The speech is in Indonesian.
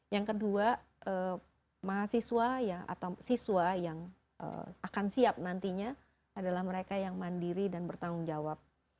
yang kedua mahasiswa atau siswa yang akan siap nantinya adalah mereka yang mandiri dan bertanggung jawab